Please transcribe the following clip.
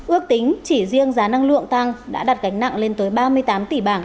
ước tính chỉ riêng giá năng lượng tăng đã đặt gánh nặng lên tới ba mươi tám tỷ bảng